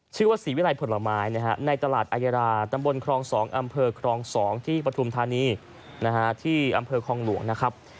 ชื่อว่าศรีวิรัยผลไม้ในตลาดอายาราตำบลครอง๒อำเภอครอง๒ที่ปฐุมธานีที่อำเภอคลองหลวงนะครับ